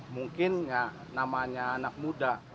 mungkin ya namanya anak muda